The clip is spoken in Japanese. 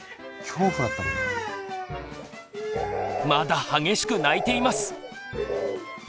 まだ激しく泣いています。